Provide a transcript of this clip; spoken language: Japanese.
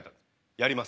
やります？